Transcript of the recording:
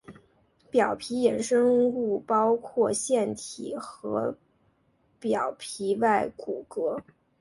表皮衍生物包括腺体和表皮外骨骼。